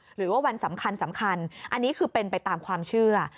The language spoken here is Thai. หรือว่าวันสำคัญอันนี้คือเป็นไปตามความเชื่อ